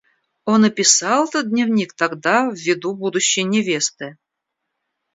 Он и писал этот дневник тогда в виду будущей невесты.